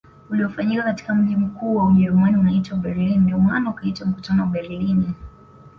Uliofanyika katika mji mkuu wa Ujerumani unaoitwa Berlin ndio maana ukaitwa mkutano wa Berlini